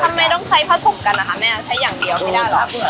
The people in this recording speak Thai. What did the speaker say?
ทำไมต้องใช้ผ้าถุงกันนะคะแม่ใช้อย่างเดียวไม่ได้เหรอ